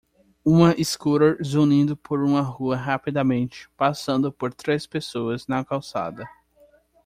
Uma scooter zunindo por uma rua rapidamente passando por três pessoas na calçada.